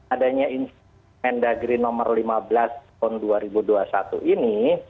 adanya instrumen mendagri nomor lima belas tahun dua ribu dua puluh satu ini